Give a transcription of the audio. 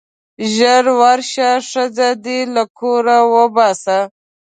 ژر ورشه ښځه دې له کوره وباسه.